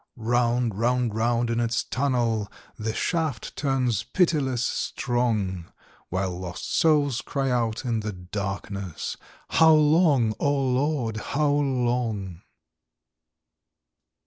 Round, round, round in its tunnel The shaft turns pitiless strong, While lost souls cry out in the darkness: "How long, O Lord, how long?"